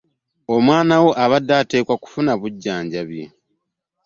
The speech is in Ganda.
Omwana nga alwadde atekwa okufuna obujanjabi.